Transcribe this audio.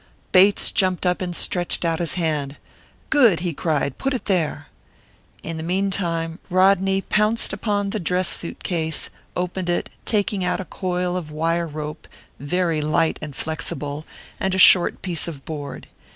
Bates jumped up and stretched out his hand. "Good!" he cried. "Put it there!" In the meantime, Rodney pounced upon the dress suit case, and opened it, taking out a coil of wire rope, very light and flexible, and a short piece of board.